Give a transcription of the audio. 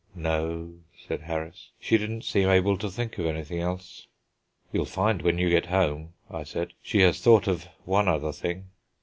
"No," said Harris; "she didn't seem able to think of anything else." "You'll find when you get home," I said, "she has thought of one other thing."